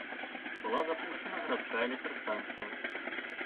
Была запушчана гарадская электрастанцыя.